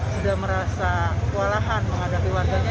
sudah merasa kewalahan menghadapi warganya